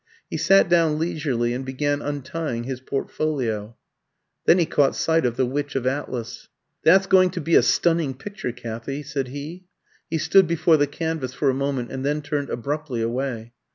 He sat down leisurely and began untying his portfolio. Then he caught sight of "The Witch of Atlas." "That's going to be a stunning picture, Kathy," said he. He stood before the canvas for a moment, and then turned abruptly away.